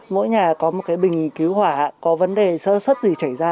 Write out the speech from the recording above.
mỗi nhà có một cái bình cứu hỏa có vấn đề sơ xuất gì xảy ra